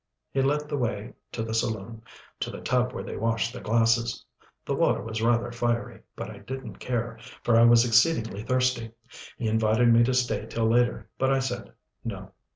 He led the way to the saloon to the tub where they washed the glasses. The water was rather fiery, but I didn't care, for I was exceedingly thirsty. He invited me to stay till later, but I said, "No."